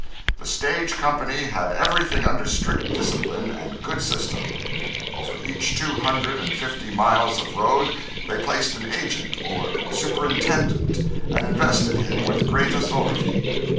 The stage company had everything under strict discipline and good system. Over each two hundred and fifty miles of road they placed an agent or superintendent, and invested him with great authority.